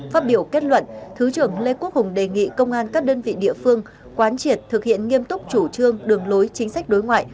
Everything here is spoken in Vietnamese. phát biểu kết luận thứ trưởng lê quốc hùng đề nghị công an các đơn vị địa phương quán triệt thực hiện nghiêm túc chủ trương đường lối chính sách đối ngoại